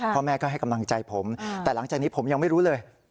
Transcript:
พ่อแม่ก็ให้กำลังใจผมแต่หลังจากนี้ผมยังไม่รู้เลย